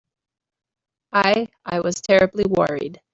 I—I was terribly worried.